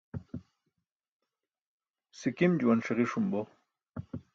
sikim juwan ṣiġiṣum bo